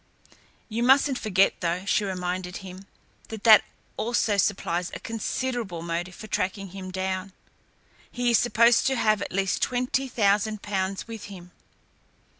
"You mustn't forget, though," she reminded him, "that that also supplies a considerable motive for tracking him down. He is supposed to have at least twenty thousand pounds with him."